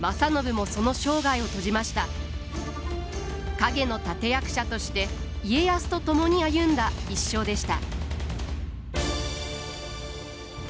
陰の立て役者として家康と共に歩んだ一生でした。